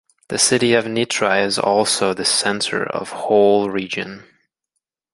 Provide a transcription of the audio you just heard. The city of Nitra is also the centre of whole region.